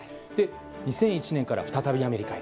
２００１年から再びアメリカへ。